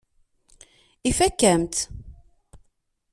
Ifakk-am-tt.